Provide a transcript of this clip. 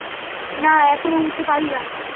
না, এখনো উড়তে পারি না।